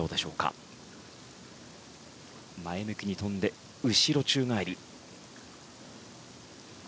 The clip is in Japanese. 前向きに飛んで後ろ宙返り。